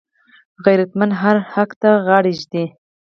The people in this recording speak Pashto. غیرتمند هر حق ته غاړه ږدي